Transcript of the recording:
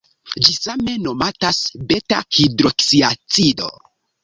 Ĝi same nomatas beta-hidroksiacido.